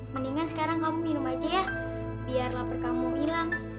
mendingan sekarang kamu minum aja ya biar lapar kamu hilang